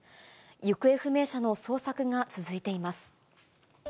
行方不明者の捜索が続いています。